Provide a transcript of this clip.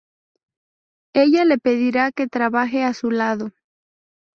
Ella le pedirá que trabaje a su lado.